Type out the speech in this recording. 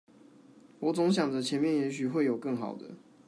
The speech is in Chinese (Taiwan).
我總想著前面也許會有更好的